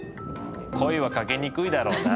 声はかけにくいだろうな。